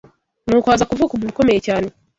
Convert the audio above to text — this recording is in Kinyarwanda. Nuko haza kuvuka umuntu ukomeye cyane.